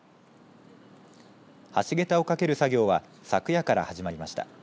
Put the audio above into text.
橋桁をかける作業は昨夜から始まりました。